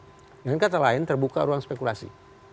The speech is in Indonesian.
dengan kata lain terbuka ruang spekulasi